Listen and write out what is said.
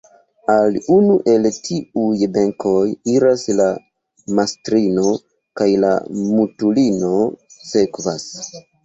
Al unu el tiuj benkoj iras la mastrino kaj la mutulino sekvas.